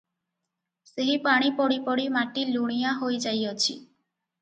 ସେହି ପାଣି ପଡ଼ି ପଡ଼ି ମାଟି ଲୁଣିଆ ହୋଇ ଯାଇଅଛି ।